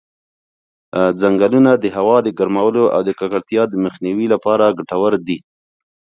ځنګلونه د هوا د ګرمولو او د ککړتیا د مخنیوي لپاره ګټور دي.